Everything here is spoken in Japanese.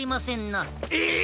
えっ！